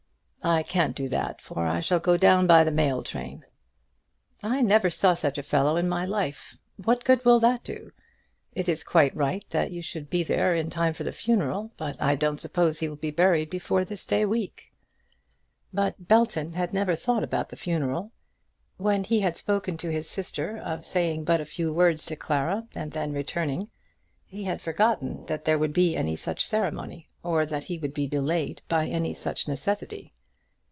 "I can't do that, for I shall go down by the mail train." "I never saw such a fellow in my life. What good will that do? It is quite right that you should be there in time for the funeral; but I don't suppose he will be buried before this day week." But Belton had never thought about the funeral. When he had spoken to his sister of saying but a few words to Clara and then returning, he had forgotten that there would be any such ceremony, or that he would be delayed by any such necessity.